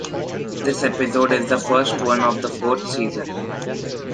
This episode is the first one of the forth season.